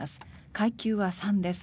階級は３です。